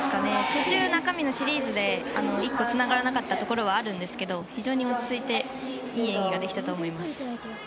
途中、中身のシリーズで１個つながらなかったところがありましたが非常に落ち着いていい演技ができたと思います。